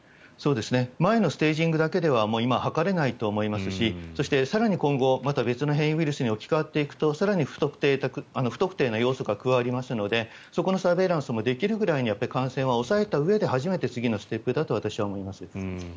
前のステージングだけでは今は測れないと思いますしそして更に今後また別の変異ウイルスに置き換わっていくと更に不特定な要素が加わりますのでそこのサーベイランスもできるぐらいに感染は抑えたうえで次のステップだと私は思います。